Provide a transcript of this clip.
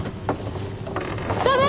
ダメ！